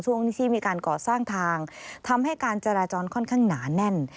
ที่มีการก่อสร้างทางทำให้การจราจรค่อนข้างหนาแน่น